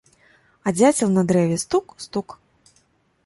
А дзяцел на дрэве стук-стук.